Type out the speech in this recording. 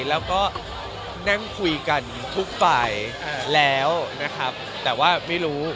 แล้วก็นั่งคุยกันทุกฝ่ายแล้วนะครับแต่ว่าไม่รู้